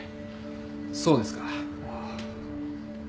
そうですか。はあ。